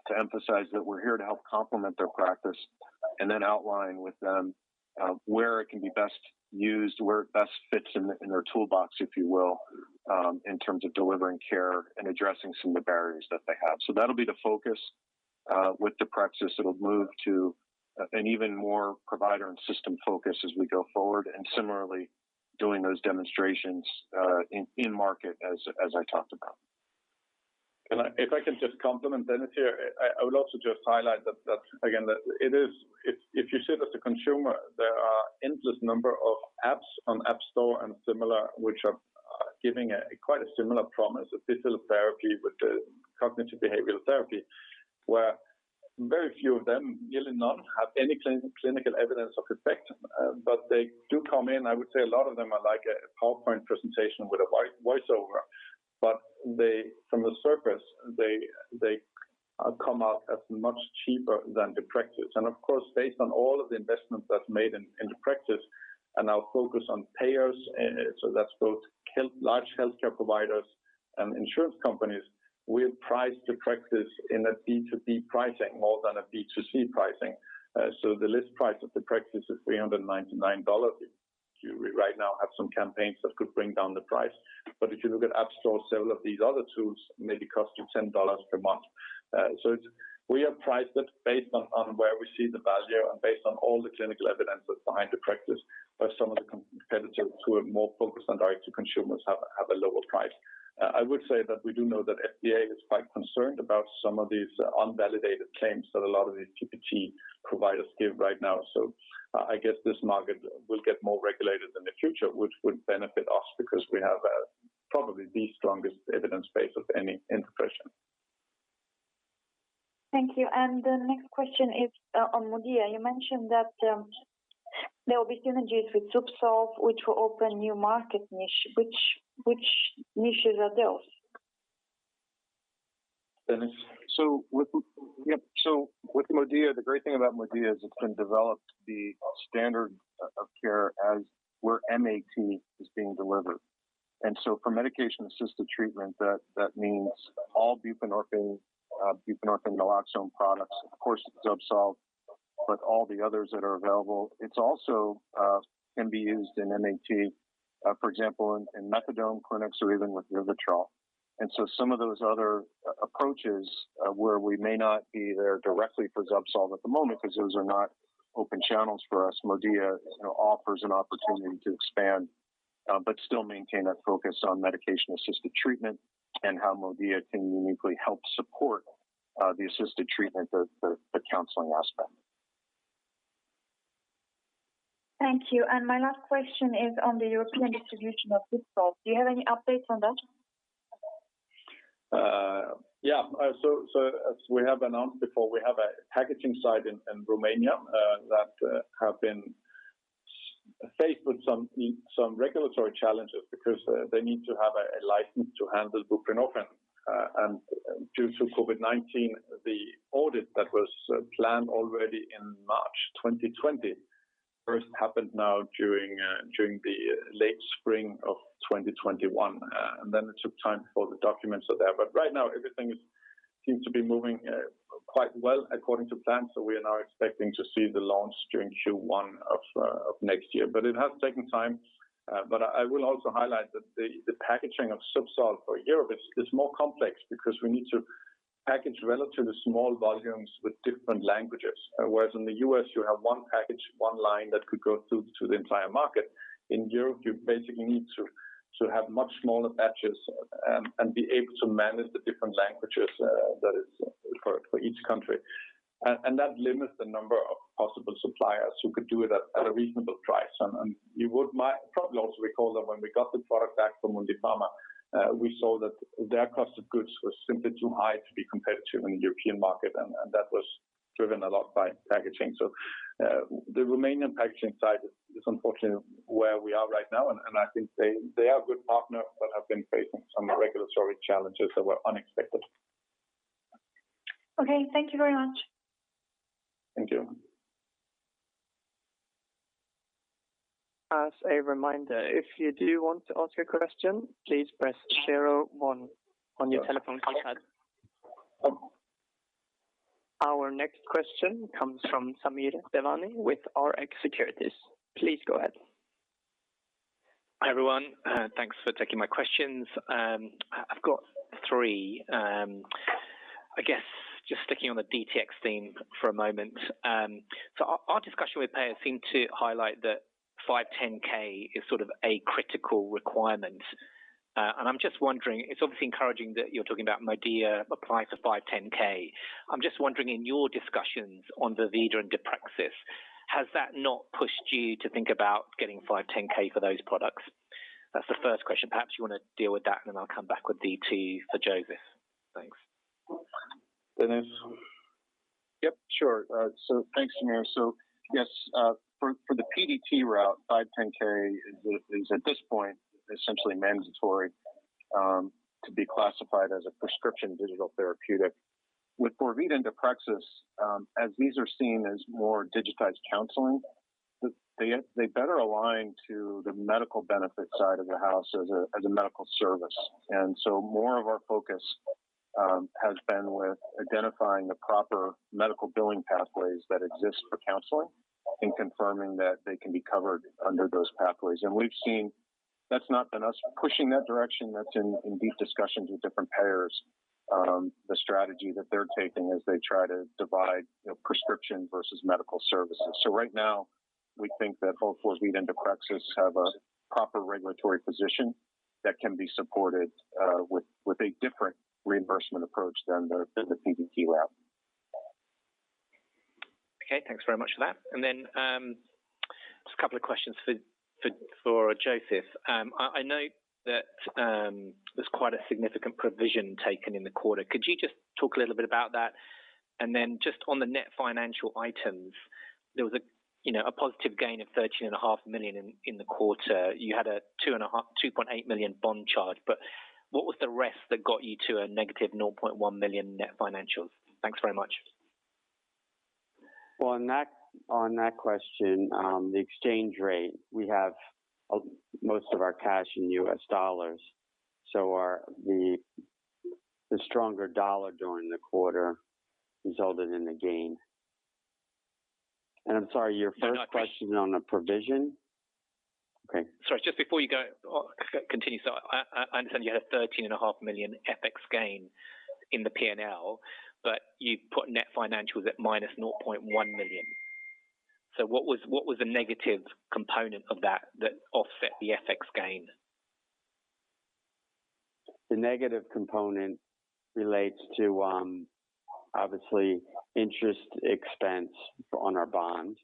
to emphasize that we're here to help complement their practice and then outline with them where it can be best used, where it best fits in their toolbox, if you will, in terms of delivering care and addressing some of the barriers that they have. That'll be the focus with deprexis. It'll move to an even more provider and system focus as we go forward, and similarly, doing those demonstrations in market as I talked about. If I can just compliment Dennis here, I would also just highlight that again, that it is—if you sit as a consumer, there are endless number of apps on App Store and similar, which are giving quite a similar promise of digital therapy with the cognitive behavioral therapy, where very few of them, really none, have any clinical evidence of effect. But they do come in. I would say a lot of them are like a PowerPoint presentation with a voice-over. From the surface, they come out as much cheaper than deprexis. Of course, based on all of the investments that's made in deprexis and our focus on payers, that's both large healthcare providers and insurance companies, we have priced deprexis in a B2B pricing more than a B2C pricing. The list price of deprexis is $399. We right now have some campaigns that could bring down the price. If you look at App Store, several of these other tools maybe cost you $10 per month. We have priced it based on where we see the value and based on all the clinical evidence that's behind deprexis, where some of the competitors who are more focused on direct to consumers have a lower price. I would say that we do know that FDA is quite concerned about some of these unvalidated claims that a lot of these PDT providers give right now. I guess this market will get more regulated in the future, which would benefit us because we have probably the strongest evidence base of any in depression. Thank you. The next question is on MODIA. You mentioned that there will be synergies with Zubsolv, which will open new market niche. Which niches are those? Dennis? With MODIA, the great thing about MODIA is it's been developed the standard of care as where MAT is being delivered. For medication-assisted treatment, that means all buprenorphine naloxone products, of course, Zubsolv, but all the others that are available. It can also be used in MAT, for example, in methadone clinics or even with Vivitrol. Some of those other approaches, where we may not be there directly for Zubsolv at the moment because those are not open channels for us, MODIA, you know, offers an opportunity to expand, but still maintain that focus on medication-assisted treatment and how MODIA can uniquely help support the assisted treatment, the counseling aspect. Thank you. My last question is on the European distribution of Zubsolv. Do you have any updates on that? Yeah. As we have announced before, we have a packaging site in Romania that have been faced with some regulatory challenges because they need to have a license to handle buprenorphine. Due to COVID-19, the audit that was planned already in March 2021 happened now during the late spring of 2021. Then it took time for the documents are there. Right now everything seems to be moving quite well according to plan. We are now expecting to see the launch during Q1 of next year. It has taken time. I will also highlight that the packaging of Zubsolv for Europe is more complex because we need to package relatively small volumes with different languages. Whereas in the U.S. you have one package, one line that could go through to the entire market. In Europe, you basically need to have much smaller batches and be able to manage the different languages, that is for each country. That limits the number of possible suppliers who could do it at a reasonable price. You would probably also recall that when we got the product back from Mundipharma, we saw that their cost of goods was simply too high to be competitive in the European market. That was driven a lot by packaging. The Romanian packaging side is unfortunately where we are right now. I think they are a good partner but have been facing some regulatory challenges that were unexpected. Okay. Thank you very much. Thank you. As a reminder, if you do want to ask a question, please press zero one on your telephone keypad. Our next question comes from Samir Devani with RX Securities. Please go ahead. Hi, everyone. Thanks for taking my questions. I've got three. I guess just sticking on the DTx theme for a moment. Our discussion with payers seemed to highlight that 510(k) is sort of a critical requirement. I'm just wondering, it's obviously encouraging that you're talking about MODIA applying for 510(k). I'm just wondering in your discussions on vorvida and deprexis®, has that not pushed you to think about getting 510(k) for those products? That's the first question. Perhaps you wanna deal with that, and then I'll come back with DTx for Joseph. Thanks. Dennis. Yep, sure. Thanks, Samir. Yes, for the PDT route, 510(k) is at this point essentially mandatory to be classified as a prescription digital therapeutic. With vorvida® and deprexis®, as these are seen as more digitized counseling, they better align to the medical benefit side of the house as a medical service. More of our focus has been with identifying the proper medical billing pathways that exist for counseling and confirming that they can be covered under those pathways. We've seen that's not been us pushing that direction. That's in deep discussions with different payers, the strategy that they're taking as they try to divide, you know, prescription versus medical services. Right now we think that both Vivitrol and deprexis® have a proper regulatory position that can be supported with a different reimbursement approach than the PDT route. Okay. Thanks very much for that. Just a couple of questions for Joseph. I know that there's quite a significant provision taken in the quarter. Could you just talk a little bit about that? Just on the net financial items, there was, you know, a positive gain of 13.5 million in the quarter. You had a 2.8 million bond charge, but what was the rest that got you to a negative 0.1 million net financials? Thanks very much. Well, on that question, the exchange rate, we have most of our cash in U.S. dollars, so the stronger dollar during the quarter resulted in the gain. I'm sorry, your first question on the provision? Okay. Sorry. Just before you go, continue. I understand you had a 13.5 million FX gain in the P&L, but you put net financials at -0.1 million. What was the negative component of that that offset the FX gain? The negative component relates to, obviously, interest expense on our bond.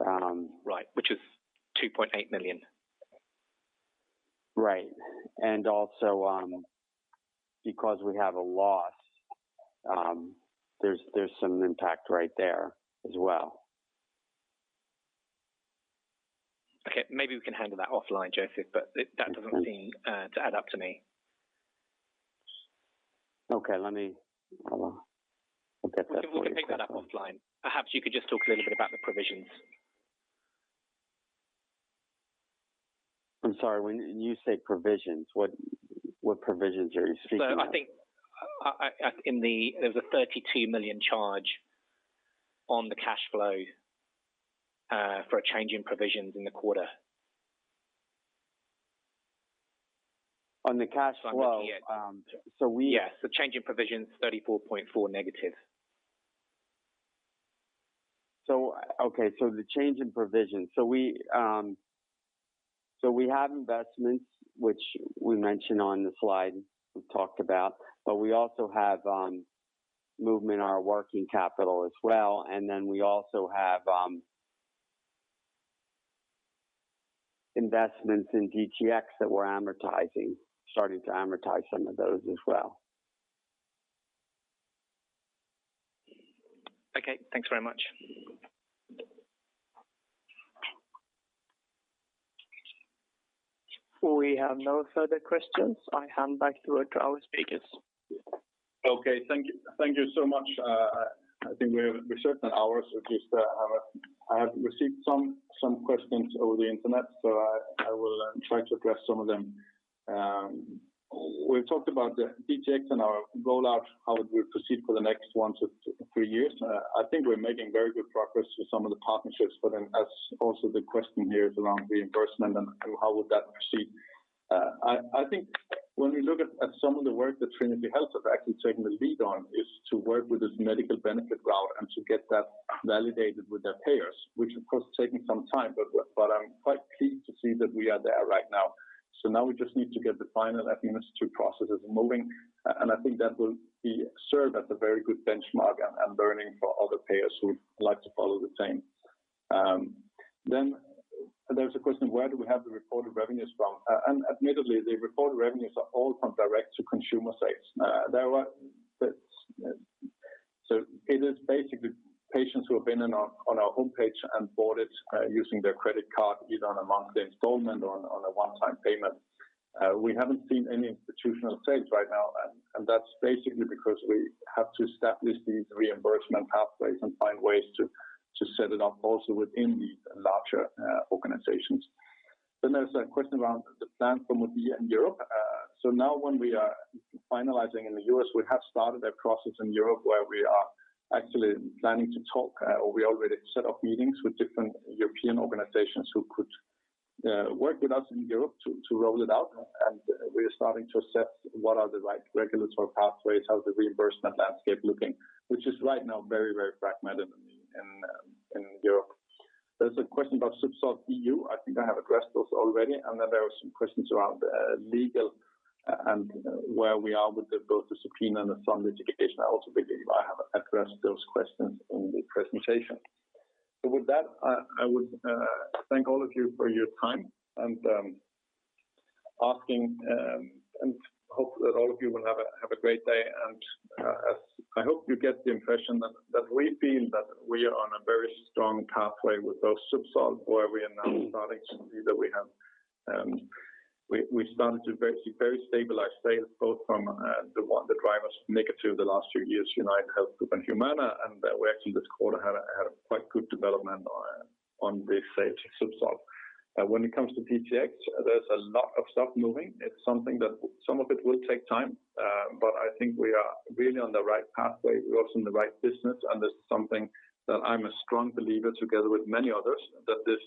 Right. Which is 2.8 million. Right. Also, because we have a loss, there's some impact right there as well. Okay. Maybe we can handle that offline, Joseph, but that doesn't seem to add up to me. Okay. Let me. I'll get that for you. We can pick that up offline. Perhaps you could just talk a little bit about the provisions. I'm sorry. When you say provisions, what provisions are you speaking of? I think there's a 32 million charge on the cash flow for a change in provisions in the quarter. On the cash flow, so we Yes. The change in provisions -34.4. Okay, the change in provisions. We have investments which we mentioned on the slide we talked about, but we also have movement in our working capital as well. We also have investments in DTX that we're amortizing, starting to amortize some of those as well. Okay. Thanks very much. We have no further questions. I hand back to our two speakers. Okay. Thank you, thank you so much. I have received some questions over the Internet, so I will try to address some of them. We've talked about the DTX and our rollout, how we proceed for the next one to three years. I think we're making very good progress with some of the partnerships, but then as also the question here is around reimbursement and how would that proceed. I think when we look at some of the work that Trinity Health have actually taken the lead on is to work with this medical benefit route and to get that validated with their payers, which of course is taking some time. I'm quite pleased to see that we are there right now. Now we just need to get the final FMS two processes moving, and I think that will serve as a very good benchmark and learning for other payers who like to follow the same. There is a question, where do we have the reported revenues from? And admittedly, the reported revenues are all from direct to consumer sales. It is basically patients who have been on our homepage and bought it, using their credit card, either on a monthly installment or on a one-time payment. We haven't seen any institutional sales right now, and that's basically because we have to establish these reimbursement pathways and find ways to set it up also within these larger organizations. There is a question around the plan for MODIA in Europe. Now when we are finalizing in the U.S., we have started a process in Europe where we are actually planning to talk, or we already set up meetings with different European organizations who could work with us in Europe to roll it out. We are starting to assess what are the right regulatory pathways, how the reimbursement landscape looking, which is right now very, very fragmented in Europe. There's a question about Zubsolv EU. I think I have addressed those already. Then there are some questions around legal and where we are with both the subpoena and the fund Opiate Education. I also believe I have addressed those questions in the presentation. With that, I would thank all of you for your time and asking, and hope that all of you will have a great day. I hope you get the impression that we feel that we are on a very strong pathway with Zubsolv, where we are now starting to see that we have started to very stabilize sales both from the ones that drove us negative the last two years, UnitedHealth Group and Humana. We actually this quarter had a quite good development on the sales of Zubsolv. When it comes to DTx, there's a lot of stuff moving. It's something that some of it will take time, but I think we are really on the right pathway. We're also in the right business. This is something that I'm a strong believer together with many others, that this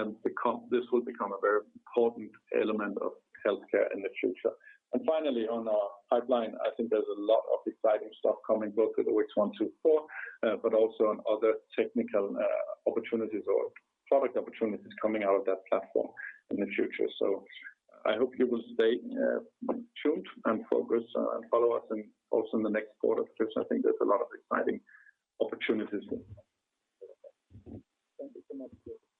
will become a very important element of healthcare in the future. Finally, on our pipeline, I think there's a lot of exciting stuff coming both with the OX124, but also on other technical opportunities or product opportunities coming out of that platform in the future. I hope you will stay tuned and focus and follow us and also in the next quarter, because I think there's a lot of exciting opportunities. Thank you so much.